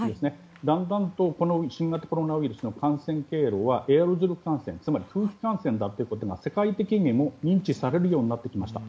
だんだんと新型コロナウイルスの感染経路はエアロゾル感染つまり空気感染だということが世界的に認知されるようになってきました。